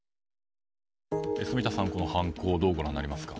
住田さん、この犯行をどうご覧になりますか。